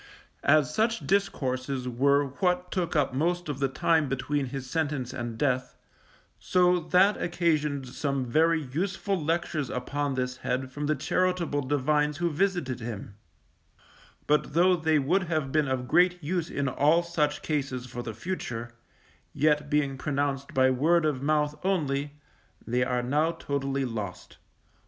As such discourses were what took up most of the time between his sentence and death, so that occasioned some very useful lectures upon this head from the charitable divines who visited him; but though they would have been of great use in all such cases for the future, yet being pronounced by word of mouth only, they are now totally lost.